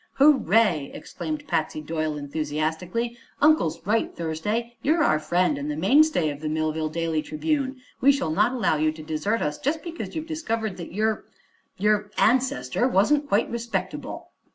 "Hooray!" exclaimed Patsy Doyle enthusiastically. "Uncle's right, Thursday. You're our friend, and the mainstay of the Millville Daily Tribune. We shall not allow you to desert us just because you've discovered that your your ancestor wasn't quite respectable."